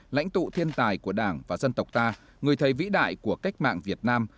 lãnh tụ thiên tài của đảng và dân tộc ta người thầy vĩ đại của cách mạng việt nam